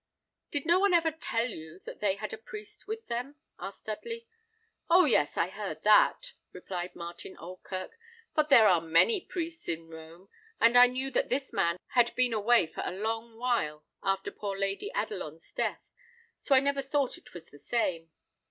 "Did no one ever tell you that they had a priest with them?" asked Dudley. "Oh! yes, I heard that," replied Martin Oldkirk; "but there are many priests in Rome, and I knew that this man had been away for a long while after poor Lady Adelon's death; so I never thought it was the same.